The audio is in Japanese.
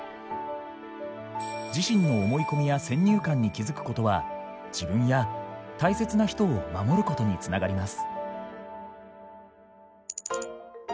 自身の思い込みや先入観に気付くことは自分や大切な人を守ることに繋がります。